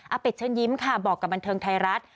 เป็ดเชิญยิ้มค่ะบอกกับบันเทิงไทยรัฐ